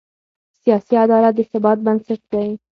سیاسي عدالت د ثبات بنسټ دی